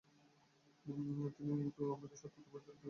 তিনি তো আমাকে সৎপথে পরিচালিত করেছেন।